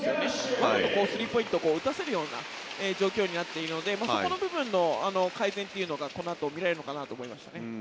わざとスリーポイントを打たせるような状況になっているのでそこの部分の改善というのがこのあと見れるのかなと思いましたね。